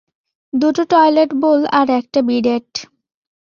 দুটো toilet bowl আর একটা বিডেট।